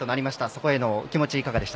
そこへのお気持ち